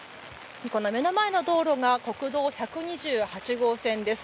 この目の前の道路が国道１２８号線です。